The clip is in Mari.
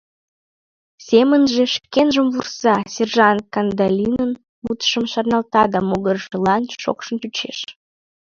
Семынже шкенжым вурса, сержант Кандалинын мутшым шарналта да могыржылан шокшын чучеш.